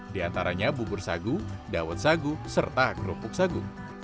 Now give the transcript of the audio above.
di antaranya bubur sagu dawet sagu serta kerupuk sagu